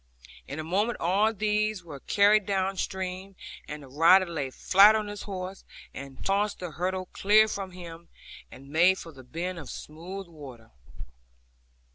In a moment all these were carried downstream, and the rider lay flat on his horse, and tossed the hurdle clear from him, and made for the bend of smooth water.